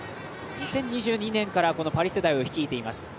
２０２２年からこのパリ世代を率いています。